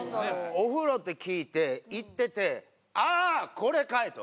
「お風呂」って聞いて行ってて「あぁ！これかい！」と。